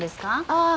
ああ。